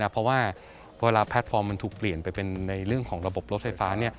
เพราะว่าเวลาแพลตฟอร์มมันถูกเปลี่ยนไปเป็นในเรื่องของระบบรถไฟฟ้า